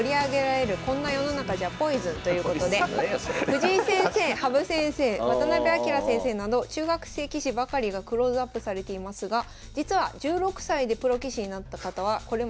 藤井先生羽生先生渡辺明先生など中学生棋士ばかりがクローズアップされていますが実は１６歳でプロ棋士になった方はこれまで８人しかおりません。